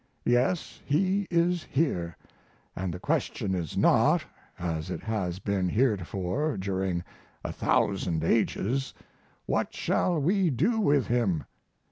Yes, he is here; and the question is not as it has been heretofore during a thousand ages What shall we do with him?